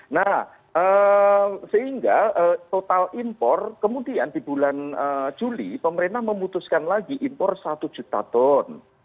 nah sehingga total impor kemudian di bulan juli pemerintah memutuskan lagi impor satu juta ton